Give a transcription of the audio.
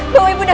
ya allah ibunya